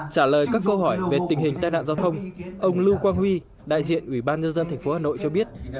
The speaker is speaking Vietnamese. trả lời các câu hỏi về tình hình tai nạn giao thông ông lưu quang huy đại diện ủy ban nhân dân tp hà nội cho biết